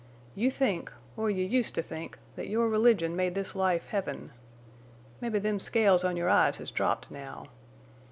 You think—or you used to think—that your religion made this life heaven. Mebbe them scales on your eyes has dropped now.